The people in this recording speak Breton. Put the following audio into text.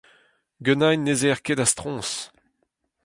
Ganin, ne'z eer ket a-stroñs !